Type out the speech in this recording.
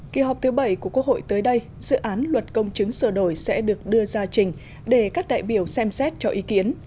kỳ họp thứ bảy của quốc hội tới đây dự án luật công chứng sửa đổi sẽ được đưa ra trình để các đại biểu xem xét cho ý kiến